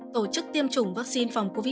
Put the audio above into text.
tổ chức tiêm chủng vaccine phòng covid một mươi